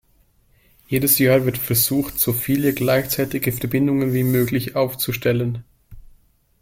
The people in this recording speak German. Jedes Jahr wird versucht so viele gleichzeitige Verbindungen wie möglich aufzustellen.